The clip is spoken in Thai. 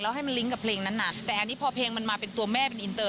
ให้มันลิ้งกับเพลงนั้นน่ะแต่อันนี้พอเพลงมันมาเป็นตัวแม่เป็นอินเตอร์